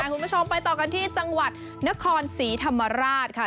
คุณผู้ชมไปต่อกันที่จังหวัดนครศรีธรรมราชค่ะ